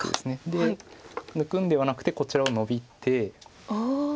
で抜くんではなくてこちらをノビて。